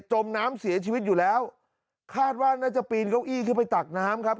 มน้ำเสียชีวิตอยู่แล้วคาดว่าน่าจะปีนเก้าอี้ขึ้นไปตักน้ำครับ